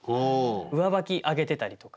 上履きあげてたりとか。